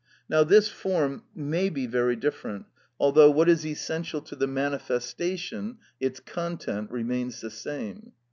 Now this form may be very different, although what is essential to the manifestation, its content, remains the same.